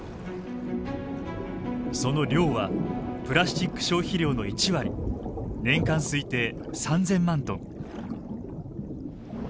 その量はプラスチック消費量の１割年間推定３，０００万トン。